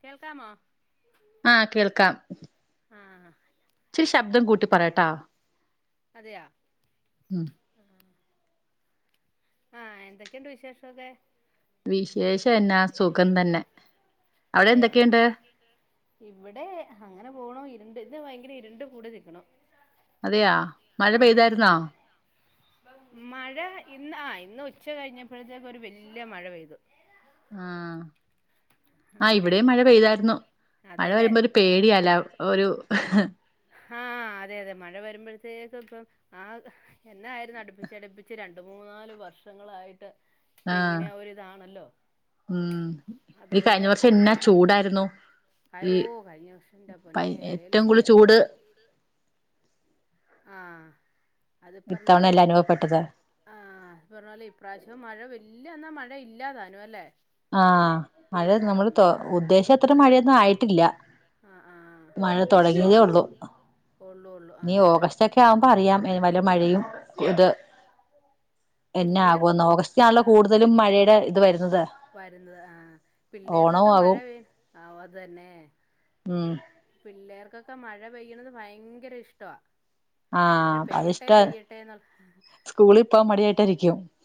കേൾക്കാമോ? ആഹ് കേൾക്കാം ച്ചിരി ശബ്ദം കൂട്ടി പറയട്ടാ അതെയാ ആ ആഹ് എന്തൊക്കെയുണ്ട് വിശേഷൊക്കെ? വിശേഷം എന്നാ സുഖം തന്നെ അവിടെ എന്തൊക്കെയുണ്ട്? ഇവിടെ അങ്ങനെ പോണു ഇരുണ്ട് ഇന്ന് ഭയങ്കര ഇരുണ്ട് കൂടി നിക്ക്ണു. അതെയാ മഴ പെയ്തായിരുന്നോ? മഴ ഇന്ന് ആ ഇന്ന് ഉച്ച കഴിഞ്ഞപ്പോഴത്തേക്ക് ഒരു വല്യ മഴ പെയ്തു. ആഹ് ആ ഇവിടേം മഴ പെയ്തായ്ർന്നു. മഴ വരുമ്പോ ഒരു പേടിയാല ഒരു ആഹ് അതെ അതെ മഴ വരുമ്പോഴത്തേക്കും ഇപ്പം ആ എന്നായിരുന്നു അടുപ്പിച്ച് അടുപ്പിച്ച് രണ്ട് മൂന്നാല് വർഷം വർഷങ്ങളായിട്ട് ആഹ് ഉം ഈ കഴിഞ്ഞ വർഷം എന്നാ ചൂടായിരുന്നു. ആ ഓ കഴിഞ്ഞ വർഷന്റെപൊന്നേ അല്ലേലും ശരിയാ അത്പ്പറഞ്ഞ പോലെ ആഹ് അത് പറഞ്ഞ പോലെ ഇപ്രാവശ്യം മഴ വല്യ ല്ല എന്നാൽ മഴ ഇല്ലാതാനും അല്ലേ ആഹ് മഴ നമ്മള് ഉദ്ദേശം അത്ര മഴയൊന്നും ആയിട്ടില്ല. മഴ തൊടങ്ങിയതേ ഒള്ളു ഇനി ഓഗസ്റ്റ് ഒക്കെ ആവുമ്പോ അറിയാം വല്ല മഴയും ഇത് എന്നാ ആകുമെന്ന് ഓഗസ്റ്റിനാണല്ലോ കൂടുതലും മഴയുടെ ഇത് വരുന്നത്. വരുന്നത് ആഹ് പിള്ളേർക്കൊക്കെ മഴ പെയ് ആഹ് അത് തന്നെ പിള്ളേർക്കൊക്കെ മഴ പെയ്യണത് ഭയങ്കര ഇഷ്ടവാ ആഹ് അതിഷ്ടാ സ്കൂളിപ്പോവാൻ മടിയായിട്ട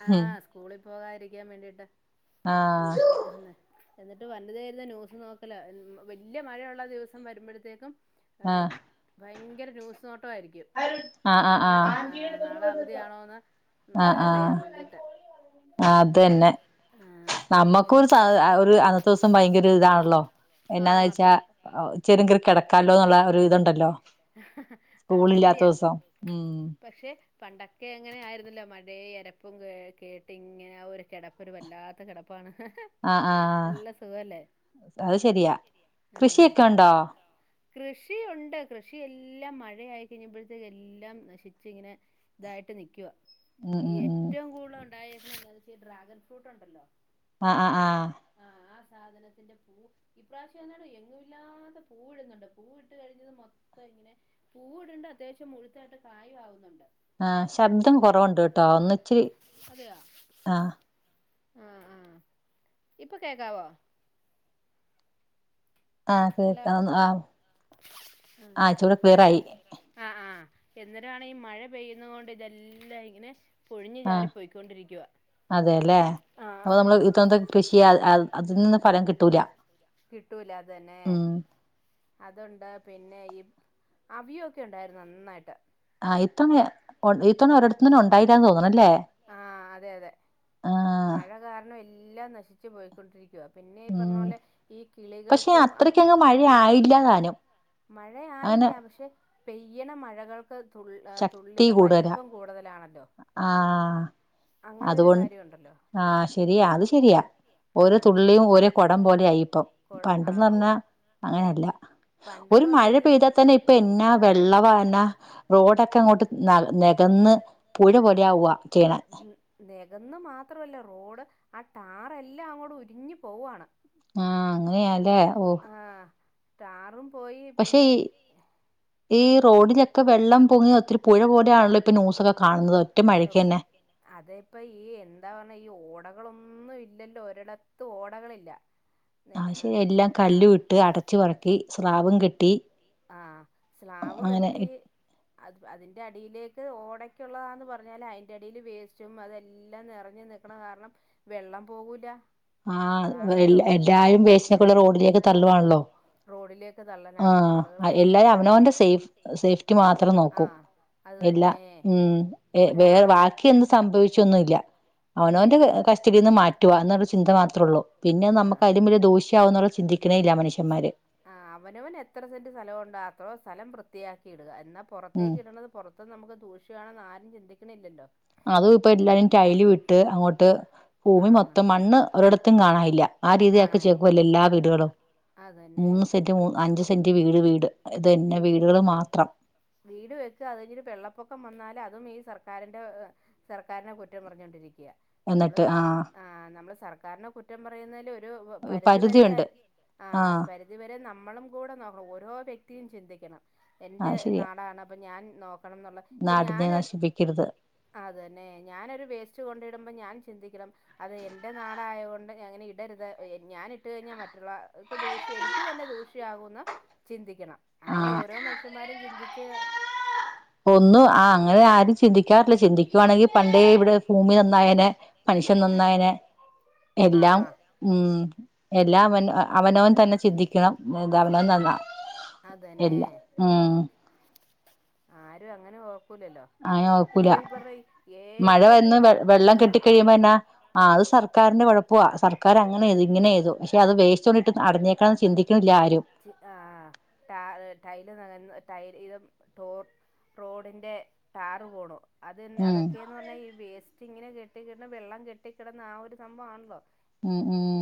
ആഹ് സ്കൂളിൽ പോകാതിരിക്കാൻ വേണ്ടീട്ട് മഴ എന്നിട്ട് വല്യതേ ഇരുന്ന് ന്യൂസ് നോക്കല വല്യ മഴയുള്ള ദിവസം വരുമ്പോഴത്തേക്കും ആഹ് ഉം ഭയങ്കര ന്യൂസ് നോ ട്ടമായിരിക്കും നാളെ ആഹ് നാളെ അവധിയാണോന്ന് അറിയാൻ വേണ്ടിട്ട് ആ നമ്മക്ക്‌ ഒരു ഒരു അന്നത്തെ ദിവസം ഭയങ്കര ഒരു ഇതാണല്ലോ എന്നാന്ന് വെച്ചാ ഇച്ചിരി ങ്കിലും കിടക്കാല്ലോ ന്നുള്ള ഒരു ഇതുണ്ടല്ലോ അത് ശരിയാ പക്ഷെ പണ്ടൊക്കെ അങ്ങനെ ആയിരുന്നല്ലോ ഒരേ എരപ്പും കേ കേട്ട് ഇങ്ങനെ ആ ഒരു കിടപ്പ് ഒരു വല്ലാത്ത കിടപ്പാണ് ആഹ് ആഹ് അത് ശെരിയാ കൃഷിയൊക്കെ ഉണ്ടോ കൃഷിയുണ്ട് കൃഷിയെല്ലാം മഴയായി കഴിഞ്ഞപ്പഴത്തേക്ക് എല്ലാം നശിച്ച് ഇങ്ങനെ ഇതായി ട്ട് നിൽക്കുവാ ഏറ്റവും കൂടുതല് ഉണ്ടായേന്ന് വെച്ചാ ഈ ഡ്രാഗൺ ഫ്രൂട്ട് ഉണ്ടല്ലോ ആആ ആ സാധനത്തിന്റെ പൂ ഈപ്രാവശ്യം എന്നിട്ട് എങ്ങുമില്ലാത്ത പൂവ് ഇടുന്നുണ്ട് പൂ ഇട്ട് കഴിഞ്ഞത് മൊത്തം ഇങ്ങനെ പൂവ് ഇടുണ്ട് അത്യാവശ്യം മുഴുത്തായിട്ട് കായും ആവുന്നുണ്ട് ആഹ് ശബ്ദം കുറവുണ്ട് കേട്ടോ ഒന്നിച്ചിരി ആഹ് ആഹ് ആഹ് ഇപ്പൊ കേക്കാവോ ആഹ് കേക്കാം ആഹ് ഇച്ചിരൂടെ ക്ലീയറായി എന്നിരാണ് ഈ മഴ പെയ്യുന്ന കൊണ്ട് ഇതെല്ലാം ഇങ്ങനെ പൊഴിഞ്ഞ് ചാടി പൊയ്ക്കൊണ്ടിരിക്കും അതേല്ലേ അപ്പൊ നമ്മള് ഇതൊന്ത് കൃഷി അതിൽ ന്ന് ഫലം കിട്ടൂല കിട്ടൂല അത് തന്നെ അതുണ്ട് പി ന്നെ ഈ അവിയോ ഒക്കെ ഉണ്ടായിരുന്നു നന്നായിട്ട് ആഹ് ഇത്തവണ ഒ ഇത്തവണ ഒരിടത്ത് തന്നെ ഉണ്ടായില്ലാന്ന് തോന്നുന്നു ആഹ് അതെ അതെ മഴ കാരണം എല്ലാം നശിച്ചു പോയിക്കൊണ്ടിരിക്ക ക്കുവാ പിന്നെ ഈ പറഞ്ഞ പോലെ ഈ കിളികൾക്കും അങ്ങ മഴ ആയില്ല പക്ഷെ പെയ്യണ മഴകൾ ക്ക് തു തുള്ളിയുടെ വലിപ്പം കൂടുതലാണല്ലോ അതുകൊണ്ട് ആഹ് ശരിയാ അത് ശരിയാ ഓരോ തുള്ളിയും ഓരോ കുടം പോലെ ആയി ഇപ്പം പണ്ടെന്ന് പറഞ്ഞാ അങ്ങനെയല്ല ഒരു മഴ പെയ്താൽ തന്നെ ഇപ്പം എന്നാ വെള്ളവാ എന്നാ റോഡൊക്കെ അങ്ങോട്ട് ന നികന്ന് പുഴ പോലെ ആവാ ചെയ്യ്ണ് അതന്ന് മാത്രമല്ല റോഡ് ആ ടാറ് എല്ലാം അങ്ങോട്ട് ഉരിഞ്ഞ് പോവാണ് ആഹ് അങ്ങനെയാല്ലേ ഓ ടാറും പോയി പിന്നെ ഈ റോഡിലൊക്കെ വെള്ളം പൊങ്ങി ഒത്തിരി പുഴ പോലെയാണല്ലോ ഇപ്പൊ ന്യൂസൊക്കെ കാണുന്നത് ഒറ്റ മഴയ്ക്ക് തന്നെ അതെ ഇപ്പം ഈ എന്താ പറയണെ ഈ ഓടകളൊന്നും ഇല്ലല്ലോ ഒരിടത്തും ഓടകളില്ല മനുഷ്യര് എല്ലാം കല്ലും ഇട്ട് അടച്ചു പെറുക്കി സ്ലാവും കെട്ടി ആഹ് സ്ലാവ് കെട്ടി അത് അതിന്റെ അടിയില് ഇത് ഓടക്കുള്ളതാന്ന് പറഞ്ഞാല് അതിന്റടീൽ വേസ്റ്റും അതെല്ലാം നിറഞ്ഞു നിൽക്കണ കാരണം വെള്ളം ള്ളം പോവൂല ആഹ് വെല്ലാ എല്ലാരും വേസ്റ്റ് ഒക്കെയുള്ളെ റോഡിലേക്ക് തള്ളുവാണല്ലോ റോഡിലേക്ക് തള്ളനാണ് ആ എല്ലാരും അവനവന്റെ സേഫ സേഫ്റ്റി മാത്രം നോക്കും എല്ല ഉം വേറെ വാക്കി എന്ത് സംഭവിച്ചൊന്നുമില്ല അവനവന്റെ കസ്റ്റഡിൽ നിന്ന് മാറ്റുവാ എന്ന ചിന്ത മാത്രേ ഉള്ളൂ പിന്നെ നമുക്ക് അതിലും വലിയ ഭൂഷ്യാവവും എന്നുള്ള ചിന്തിക്കണേില്ല മനുഷ്യൻന്മാര് ആ അവനവൻ എത്ര സെന്റ് സ്ഥലമുണ്ടോ അത്രോ സ്ഥലം വൃത്തി- വൃത്തിയാക്കി ഇടുക എന്നാൽ പുറത്തേക്ക് ഇടുന്നത് പുറത്ത് നമുക്ക് ദൂഷ്യമാണെന്ന് ആരും ചിന്തിക്കണില്ലല്ലോ അതും ഇപ്പൊ എല്ലാരും ടൈലുമിട്ട് അങ്ങോട്ട് ഭൂമി മൊത്തം മണ്ണ് ഒരിടത്തും കാണായി ആ രീതിയാക്കി വചേക്കുവല്ലേ എല്ലാ വീടുകളും മൂന്ന് സെന്റ് അഞ്ച് സെന്റ് വീട് വീട് ഇത് തന്നെ പിന്നെ വീടുകള് മാത്രം വീട് വെച്ചാ അതിരു വെള്ളപ്പൊക്കം വന്നാല് അതും ഈ സർക്ക- ക്കാറിന്റെ സർക്കാരിനെ കുറ്റം പറഞ്ഞൊകൊണ്ടിരിക്കുക നമ്മൾ നമ്മൾ സർക്കാരിന കുറ്റം പറയുന്നതി ഒരു പരിധ വരെ ആ പരിധ വരെ നമ്മ- നമ്മളും കൂടി നോക്കണം ഓരോ വ്യക്തിയും ചിന്തിക്കണം എന്റെ നാടാണ് അപ്പ ഞാൻ നോ ക്കണംന്നുള്ള ഇപ്പം ഞാനൊരു അത് തന്നേ ഞാനൊരു വേസ്റ്റ് കൊണ്ടിടുമ്പ ഞാൻ ചിന്തിക്കണം അത് എൻ്റെ നാടായ കൊണ്ട് അങ്ങനെ ഇടരുത് ഏഹ് ഞാനിട്ട് കഴിഞ്ഞാൽ മറ്റുള്ളാക്ക് ദൂഷ്യം എനിക്ക് തന്നെ ദൂഷ്യാകുമെന്ന് ചിന്തിക്കണം. അങ്ങനെ ഓരോ മനുഷ്യന്മാരും ചിന്തിച്ച് ഒന്നു ആഹ് അങ്ങനെ ആരും ചിന്തിക്കാറില്ല. ചിന്തിക്കുവാണെങ്കിൽ പണ്ടേ ഇവിടെ ഭൂമി നന്നായേനെ മനുഷ്യൻ നന്നാ യേനെ എല്ലാം ഉം എല്ലാം അവന് അവനവൻ തന്നെ ചിന്തി ക്കണം ഇത് അവനവൻ നന്നാ ഇല്ല ഉം. ആരും അങ്ങനെ ഓ ആഹ് നോക്കൂലാ മഴ വന്ന് വെ വെള്ളം കെട്ടി കഴിയുമ്പ എന്നാ ആഹ് അത് സർക്കാരിന്റെ കൊഴപ്പവാ സർക്കാർ അങ്ങനെ ചെയ്ത് ഇങ്ങനെ ചെയ്തു. പക്ഷെ അത് വേസ്റ്റ് കൊണ്ടിട്ട് അടഞ്ഞേക്കണന്ന് ചിന്തിക്കണില്ല ആരും. ചി ആഹ് ടാ ടൈല് [unintelligible] [unintelligible] ഇതും ടോർ റോഡിന്റെ ടാർ പോണു. അത് അതൊക്കെയന്ന് പറഞ്ഞാ അതനെ അതൊകെന്ന് പറഞ്ഞാ ഈ വേസ്റ്റ് ഇങ്ങനെ കെട്ടിക്കിട വെള്ളം കെട്ടിക്കിടുന്ന ആ ഒരു സംഭവമാണല്ലോ.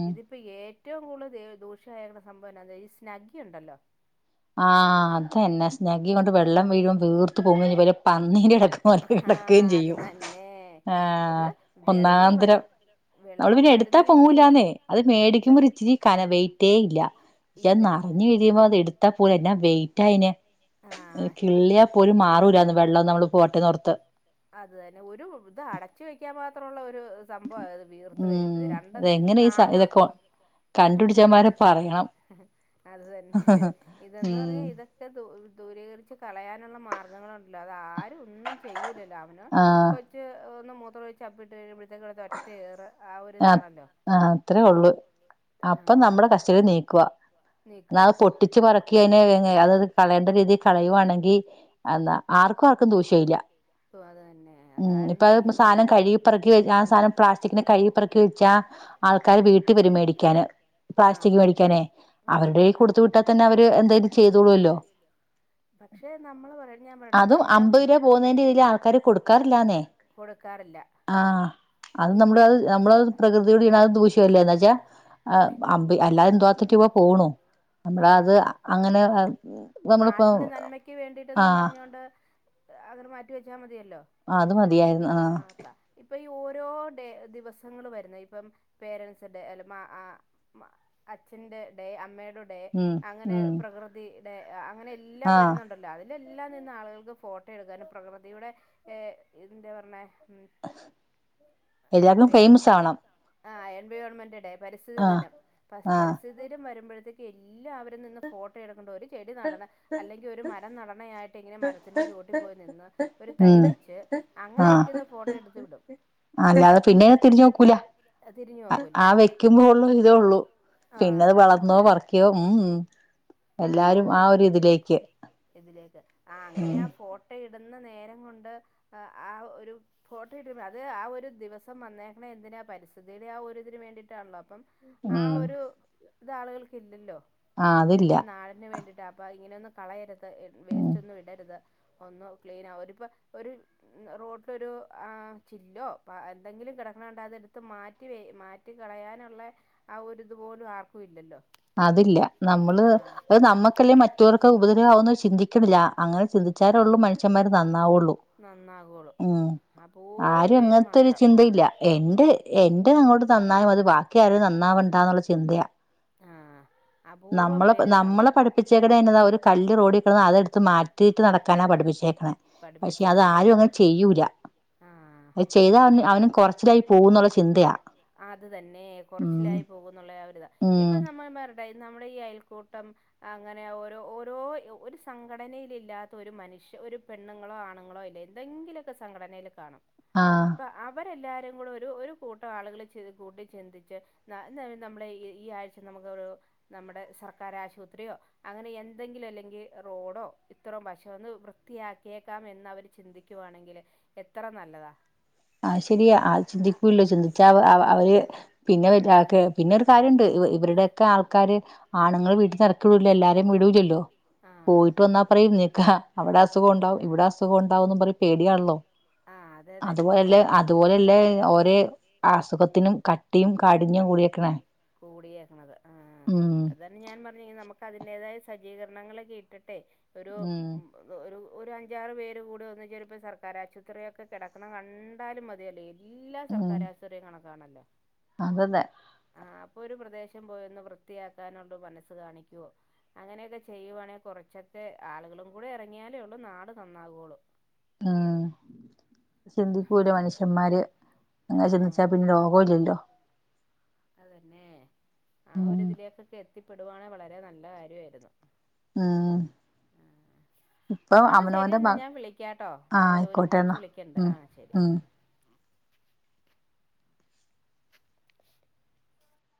ഇതിപ്പം ഏ- ഏറ്റവും കൂടുതൽ ഭൂഷ്യയായേക്കുന്ന സംഭവം എന്നാന് വച്ച ഈ സ്നഗി ഉണ്ടല്ലോ. ആഹ് അത് തന്നെ സ്നഗി കൊണ്ട് വെള്ളം വീഴുമ്പം വീർത്ത് പോങ്ങില്ലെ പന്നിടെ ആ അത് തന്നെ ഇത് വെള്ളം വര വെള്ളം. എടുത്താ പോങ്ങൂലാന്നെ അത് മേടിക്കുമ്പോ ഇച്ചിരി കന വെയിറ്റേ ഇല്ല. ഇനി നിറഞ് കഴിയുമ്പോ അത് എടുത്താ പോല എന്നാ വെയിറ്റ് ആയിന് കിള്ളിയാ പോലും മാറൂലന്ന് വെള്ളം നമ്മൾ പോട്ടേന്നോർത്ത്. സംഭവാത് വീർത്ത കഴിയുമ്പഴ് രണ്ട് നാലെണ- കണ്ടു പിടിച്ചവൻമാരെ പറയണം. അത് തന്നെ ഇതന്ന് പറഞ്ഞാ ഇതൊക്കെ ദൂ ദൂ- ദൂരീകരിച്ച് കളയാനുള്ള മാർഗങ്ങളുണ്ട് അത് ആരും ഒന്നും ചെയ്യലല്ലോ അവനോൻ കൊച് ഒന്ന് മൂത്രം ഒഴിച്ച് അപ്പി ഇട്ട് കഴിഞ്ഞാ ഒറ്റേറ്. ആ അത്രേ ഉള്ളു അപ്പൊ നമ്മുടെ കസ്റ്റഡി നീക്കുവാ. എന്ന അത് പൊട്ടിച്ച് പറക്കി അതിനെ അതത് കള- ഈ രീതിയിൽ കളയുകയാണെങ്കിൽ ആർക്കുമാർക്കും ദൂഷ്യല്ല മ് ഇപ്പ സാധനം കഴുകിപറക്കി ആ സാധനം പ്ലാസ്റ്റിക്കിന കഴി- പെറുക്കി വച്ചാൽ ആൾക്കർ വീട്ടിൽ വരും മേടിക്കാന് പ്ലാസ്റ്റിക്ക് മേടിക്കാനെ അവരുടെ കൈയിൽ കൊടു- കൊടുത്തുവിട്ടാൽ തന്നെ അവര് എന്തേലും ചെയ്തോളൂല്ലോ. അതും അമ്പത് രൂപ പോകുന്നതിന്റെ ഇതിൽ ആൾക്കാര് കൊടുക്കാറില്ലാന്നേ. കൊടുക്കാറില്ല. അത് നമ്മുടെ അത് നമ്മളത് പ്രകൃതിയോട് ചെയ്യണത് ദൂഷ്യല്ലേ എന്നാ വച്ചാ. ആ അ അല്ലാതെ എന്തു മാത്രംരൂപ പോണു. നമ്മള് അത് അങ്ങനെ നമ്മള്. നാടിന്റെ നന്മയ്ക്ക് വേണ്ടിയിട്ടൊന്നും പറഞ്ഞോണ്ട് അങ്ങട് മാറ്റി വെച്ചാൽ മതിയ ആഹ് അത് മതിയാരുന്നു ആഹ് പ്പ ഡേ ദിവസങ്ങള് വരുന്ന ഇപ്പം പേരൻസ് ഡേ അല്ല മാ ആഹ് അച്ഛന്റെ ഡേ അമ്മേ ളു ഡേ അങ്ങനെ പ്രകൃതി ഡേ അങ്ങനെ എല്ലാം വരുന്നുണ്ടല്ലോ അതി ലെല്ലാം നിന്ന് ആളുകൾക്ക് ഫോട്ടോ എടുക്കാനും പ്രകൃതിയുടെ ഏഹ് ഏതിന്റെയാ പറഞ്ഞെ എല്ലാർക്കും ഫേമസ് ആവണം ആഹ് എൻവിയോൾമെന്റ് ഡേ പരിസ്ഥിതി ദിനം പര് പരിസ്ഥിതി ദിനം വരുമ്പഴ് ത്തേക്ക് എല്ലാവരും നിന്ന് ഫോട്ടോ എടുക്കണ്ട ഒരു ചെടി നടണ അല്ലെങ്കി ഒരു മരം നടണയായിട്ട് ഇങ്ങനെ മരത്തിന്റെ ചോട്ടി പോയി നിന്ന് ഒരു തൈ വെച്ച് അങ്ങനെയൊക്കെ ഒന്ന് ഫോട്ടോ എടുത്ത് വിടും. അല്ലാതെ പിന്നെയ്നെ തിരിഞ് നോക്കൂല ആ വെക്കുമ്പോ ഉള്ളൂ ഇതേ ഉള്ളൂ. പിന്നെത് വളർന്നോ പറിക്കിയോ ഉം ഉ ആഹ് ഉ ഇതിലേക്ക് ആഹ് അങ്ങനെയാ ഫോട്ടോ ഇ ഇടുന്ന നേരം കൊണ്ട് ഏഹ് ആ ഒരു ഫോട്ടോ ഇട്ട അത് ആ ഒരു ദിവസം വന്നേക്കണ എന്തി പരിസ്ഥിതിയിടെ ആ ഒരു ഇതിന് വേണ്ടിയിട്ടാണല്ലോ അപ്പം ആ ഒരു ഇത് ആളുകൾക്കില്ലല്ലോ ആഹ് അതില്ല ന് വേണ്ടിട്ടാ അപ്പ ഇങ്ങനെ ഒന്ന് കളയരുത് ഇട് ഉം വേസ്‌റ്റോന്നും ഇടരുത് ഒന്നും ക്ലീന ഒരു ഇപ്പ ഒരു ഉം റോട്ടിലൊരു ആഹ് ചില്ലോ പാ എന്തെങ്കിലും കെടക്കണ കണ്ടാ അതെടുത്തു മാറ്റിവേ മാ മാറ്റി കളയാനുള്ളെ ആ ഒരിതുപോലും ആർക്കും ഇല്ലല്ലോ അതില്ല നമ്മള് ഓഹ് നമ്മക്കല്ലേ മറ്റവർക്കെ ഉപദേ ദ്യോന്ന് ചിന്തിക്കുന്നില്ല അങ്ങനെ ചിന്തിച്ചാലൊള്ളൂ മനുഷ്യന്മാര് നന്ദി ന്നാവുള്ളൂ ഉം ആരും അങ്ങനത്തെ ഒരു ചിന്തയില്ല എണ്ട് എന്റെ അങ്ങോട്ട് നന്നായാമതി ബാക്കി ആരുടെം നന്നാവണ്ടന്നുള്ള ചിന്തയാ നമ്മള നമ്മള പഠിപ്പിച്ചേക്കണ എന്നതാ ഒരു കല്ല് റോഡിക്കെടന്ന അതെടുത്ത് മാറ്റിയിട്ട് നടക്കാനാ പഠിപ്പി ഷിയേക്കണെ പക്ഷെ അതാരും അങ്ങനെ ചെയ്യൂല അത് ചെയ്ത അവന് അവന് കൊറച്ചിലായി പോകന്നുള്ള ചിന്തയാ അത് തന്നെ കൊറച്ചിലായി പോകുന്നുള്ള ആ ഒരിതാ ഇപ്പൊ നമ് മായ് മാരുടെ നമ്മുടെ ഈ അയൽക്കൂട്ടം അങ്ങനെ ഓരോ ഓരോ ഒരു സംഘടനയിൽ ഇല്ലാത്ത ഒരു മനുഷ്യ ഒരു പെണ്ണുങ്ങളോ ആണുങ്ങളോ ഇല്ല എന്തെങ്കിലൊക്കെ സംഘടനയില് കാണും ആഹ് എല്ലാരും കൂടെ ഒരു കൂട്ടം ആളുകള് ചി കൂട്ടി ചിന്തിച്ച് ന നയ് നമ്മള ഈ ഈ ആഴ് ക്ഷേ നമുക്കവിടൊരു നമ്മ്ടെ സർക്കാരാശുപത്രിയോ അങ്ങനെ എന്തെങ്കിലും അല്ലെങ്കി റോഡോ ഇത്ര പ്പം പക്ഷെ ഒന്ന് വൃത്തിയാക്കിയേക്കാം എന്ന് അവര് ചിന്തിക്കുവാണെങ്കില് എത്ര നല്ലതാ ആഹ് ശരിയാ ആഹ് ചിന്തിക്കൂല്ലല്ലോ ചിന്തിച്ചാ അവര് പിന്നെ ഒരു രാ കെ പിന്നെ ഒരു കാര്യോണ്ട് ഇവരുടെക്ക ആൾക്കാര് ആണുങ്ങൾ വീട്ടിനിറക്കി വിടൂലോ എല്ലാരേം വിടൂല്ലല്ലോ പോയിട്ട് വന്നാ പറയും നീക്കാ അവിട അസുകോണ്ടാവും ഇവിടെ അസുകോണ്ടാവും ന്ന് പറിം പേടിയാണല്ലോ ആഹ് അതെ അതെ അതുപോലല്ലേ അതുപോലല്ലേ രേ അസുഖത്തിനും കട്ടിയും കാടിന്യവും കൂടിയേക്കണേ കൂടിയേക്കണത് ആഹ് അതാണ് ഞാൻ പറഞ്ഞ ങ്കി നമുക്ക് അതിന്റേതായ സെ സജീകരണങ്ങളൊക്കെ ഇട്ടിട്ടെ ഒരു ഉം ഒരു ഒരു അഞ്ചാറ് പേര് കൂടെ വന്ന് ചേരുമ്പ സർക്കാർ ആശുപത്രിയൊക്കെ കെടക്കണ കണ്ടാലും മതിയല്ലേ എല്ലാ സ് കാരാസൂര്യേ കണക്കാണ് അതതെ ആഹ് അപ്പൊ ഒരു പ്രദേശം പോയൊന്ന് വൃത്തിയാക്കാനുള്ള മനസ്സ് കാണിക്കുവോ അങ്ങനെയൊക്കെ ചെയ്യുവാണെ കുറച്ചൊക്കെ ആളുകളും കൂടെ ഇറങ്ങിയാലേ ഉള്ളൂ നാട് നന്നാകുവുള്ളു ഉം ചിന്തിക്കൂല മനുഷ്യന്മാര് അങ്ങനെ ചിന്തിച്ചാ പിന്നെ രോഗോല്ലല്ലോ അതന്നെ ആഹ് ഒരിതിലേക്കൊക്കെ എത്തിപ്പെടുവാണെ വളരെ നല്ല കാര്യവാരുന്നു ആഹ് ആന്ന് ശെരി ന്നാ ഞാൻ വിളിക്കാട്ടോ ഞാൻ ഒരു കൊച്ചു വിളിക്കണ്ട് ആഹ് ശെരി